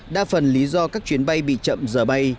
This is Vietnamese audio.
đa phần lý do các chuyến bay bị chậm giờ bay